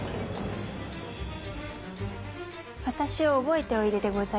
私を覚えておいででございますか。